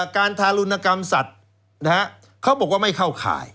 การทารุณกรรมสัตว์เขาบอกว่าไม่เข้าข่าย